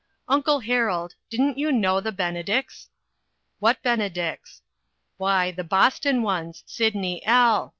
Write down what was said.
" Uncle Harold, didn't you know the Benedicts? " "What Benedicts?" " Why, the Boston ones. Sydney L.